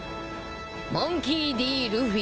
モンキー・Ｄ・ルフィ。